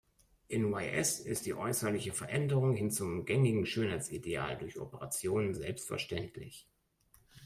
In Y-S ist die äußerliche Veränderung hin zum gängigen Schönheitsideal durch Operationen selbstverständlich.